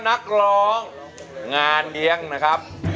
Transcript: นักร้องงานเลี้ยงนะครับ